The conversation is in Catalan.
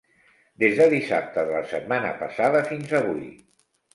Des de dissabte de la setmana passada fins avui.